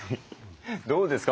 どうですか？